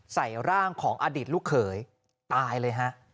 ใส่ร่างของอดีตลูกเขยตายเลยฮะ